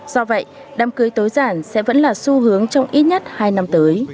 do vậy đám cưới tối giản sẽ vẫn là xu hướng trong ít nhất hai năm tới